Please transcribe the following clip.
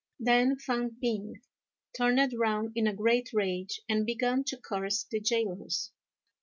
Then Fang p'ing turned round in a great rage, and began to curse the gaolers.